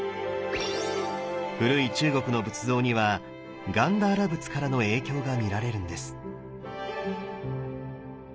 古い中国の仏像にはガンダーラ仏からの影響が見られるんです。